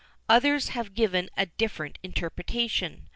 Others have given a different interpretation.